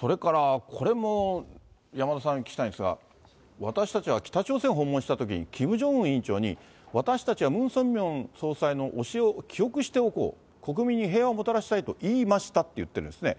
それからこれも、山田さんにお聞きしたいんですが、私たちは北朝鮮を訪問したときに、キム・ジョンウン委員長に、私たちはムン・ソンミョン総裁の教えを記憶しておこう、国民に平和をもたらしたいと言いましたって言ってるんですね。